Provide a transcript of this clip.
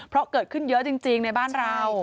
เพราะเกิดขึ้นเยอะจริงในบ้านเรา